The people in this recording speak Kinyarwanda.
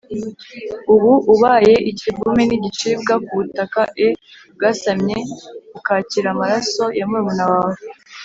Ubu ubaye ikivume n igicibwa ku butaka e bwasamye bukakira amaraso ya murumuna wawe